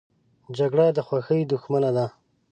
جګړه د خوښۍ دښمنه ده